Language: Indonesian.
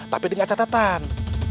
tapi dengan catatan